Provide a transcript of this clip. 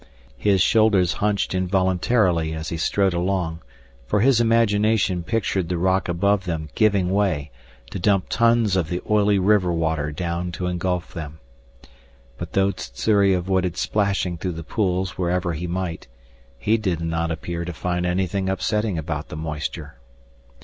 His shoulders hunched involuntarily as he strode along, for his imagination pictured the rock above them giving away to dump tons of the oily river water down to engulf them. But though Sssuri avoided splashing through the pools wherever he might, he did not appear to find anything upsetting about the moisture.